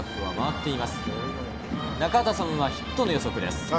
中畑さんはヒットの予測です。